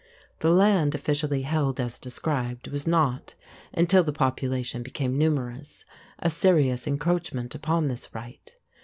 The land officially held as described was not, until the population became numerous, a serious encroachment upon this right.